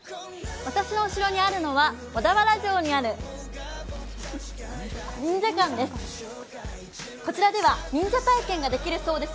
私の後ろにあるのは小田原城にあるＮＩＮＪＡ館です。